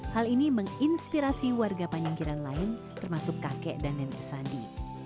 hal ini menginspirasi warga panjenggiran lain termasuk kakek dan nenek sandi